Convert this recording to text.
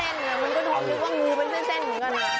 มันก็น้องนึกว่างูเป็นเส้นอยู่กันเลย